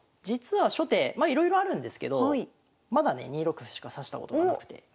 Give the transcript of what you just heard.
実は初手まあいろいろあるんですけどまだね２六歩しか指したことがなくて。